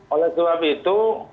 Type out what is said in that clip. oleh sebab itu